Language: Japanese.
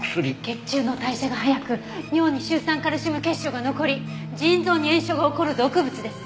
血中の代謝が早く尿にシュウ酸カルシウム結晶が残り腎臓に炎症が起こる毒物です。